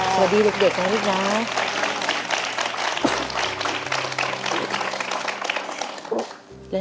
สวัสดีลูกเด็กและลูกย้า